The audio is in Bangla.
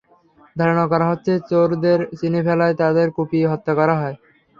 ধারণা করা হচ্ছে, চোরদের চিনে ফেলায় তাঁকে কুপিয়ে হত্যা করা হয়।